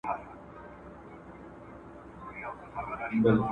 الله تعالی لوڼو ته هم د زامنو غوندي د ميراث حق ورکړی دی.